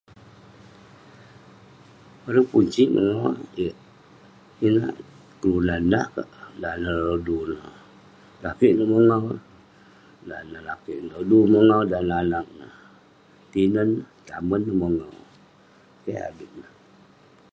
Bareng pun sik mongau eh, [unintelligible] yeng kelunan nah kek. Dan neh rodu neh, lakeik neh mongau. Dan neh lakeik, rodu neh mongau. Dan neh anag neh, tinen, tamen neh mongau. Keh adui rah.